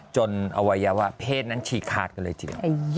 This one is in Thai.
จนอวัยวะเพศนั้นชีคาดกันเลยจริง